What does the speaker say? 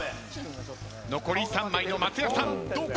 残り３枚の松也さんどうか？